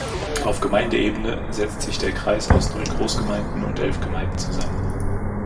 Auf Gemeindeebene setzt sich der Kreis aus neun Großgemeinden und elf Gemeinden zusammen.